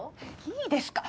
いいですか。